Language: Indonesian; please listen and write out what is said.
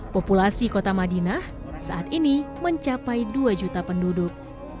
populasi kota madinah saat ini mencapai dua juta penduduk